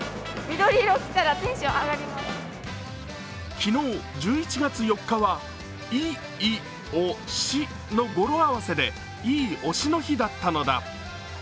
昨日、１１月４日はいい推しのの語呂合わせでいい推しの日だったのだ。